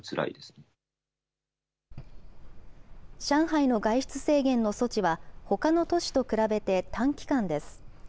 上海の外出制限の措置は、ほかの都市と比べて短期間です。